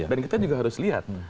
dan kita juga harus lihat